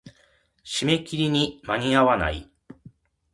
締め切りに間に合わない。